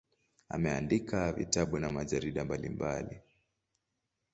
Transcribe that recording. Ameandika vitabu na majarida mbalimbali.